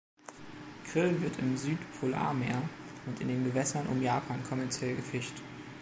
Krill wird im Südpolarmeer und in den Gewässern um Japan kommerziell gefischt.